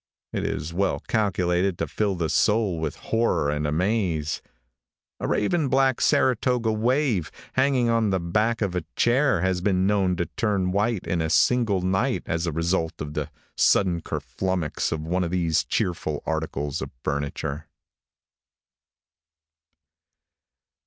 It is well calculated to fill the soul with horror and amaze. A raven black Saratoga wave, hanging on the back of a chair, has been known to turn white in a single night as the result of the sudden kerflummix of one of these cheerful articles of furniture.